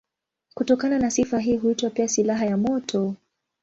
Kutokana na sifa hii huitwa pia silaha ya moto.